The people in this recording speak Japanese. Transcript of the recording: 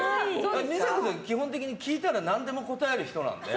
美佐子さん、基本的に聞いたら何でも答える人なので。